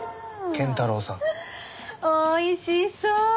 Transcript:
おいしそう！